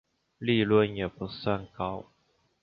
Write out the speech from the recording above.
利润也不算高